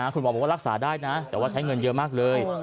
คุณหมอบอกว่ารักษาได้นะแต่ว่าใช้เงินเยอะมากเลย